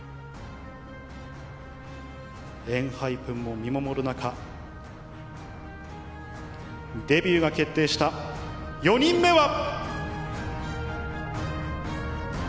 ＥＮＨＹＰＥＮも見守る中、デビューが決定した４人目は。